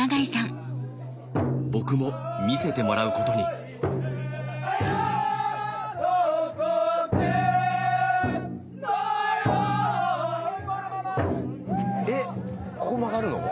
僕も見せてもらうことにえっここ曲がるの？